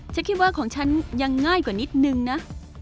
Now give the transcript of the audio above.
ฉันคิดว่าของฉันยังง่ายกว่านิดนึงนะ